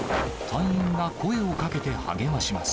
隊員が声をかけて励まします。